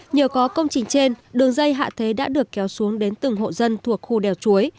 nhờ có công trình trên đường dây hạ thế đã được kéo xuống đến từng hộ dân thuộc khu đèo chuối